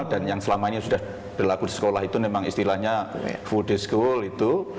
dan yang selama ini sudah berlaku di sekolah itu memang istilahnya full day school itu